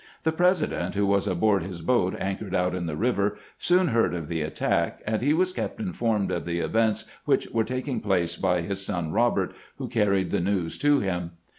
The President, who was aboard his boat anchored out in the river, soon heard of the attack, and he was kept informed of the events which were taking place by his son Robert, who carried the news to him.